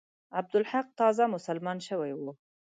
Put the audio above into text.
عبدالحق تازه مسلمان شوی وو.